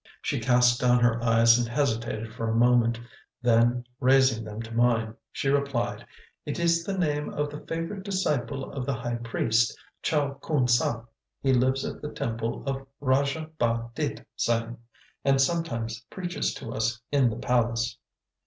She cast down her eyes and hesitated for a moment; then, raising them to mine, she replied: "It is the name of the favorite disciple of the high priest, Chow Khoon Sah; he lives at the temple of Rajah Bah ditt Sang, and sometimes preaches to us in the palace."